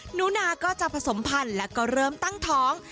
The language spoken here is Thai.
หนูนาก็จะผสมพันธุ์แล้วก็เริ่มตั้งท้อง